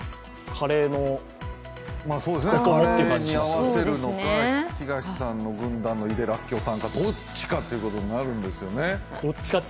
カレーに合わせるのか東さんの軍団の井手らっきょさんかどっちかということになるんですよね。